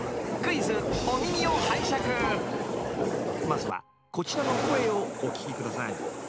まずはこちらの声をお聞きください。